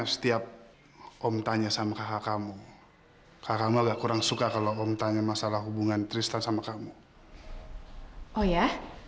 sampai jumpa di video selanjutnya